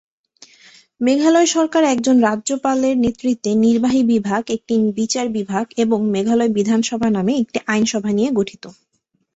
মেঘালয় সরকার একজন রাজ্যপালের নেতৃত্বে নির্বাহী বিভাগ, একটি বিচার বিভাগ এবং মেঘালয় বিধানসভা নামে একটি আইনসভা নিয়ে গঠিত।